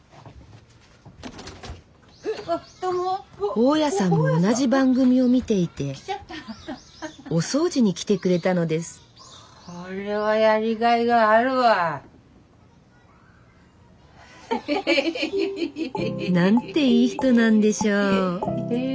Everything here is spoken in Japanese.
大家さんも同じ番組を見ていてお掃除に来てくれたのですこれはやりがいがあるわ。なんていい人なんでしょうへぇ